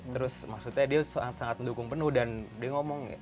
terus maksudnya dia sangat mendukung penuh dan dia ngomong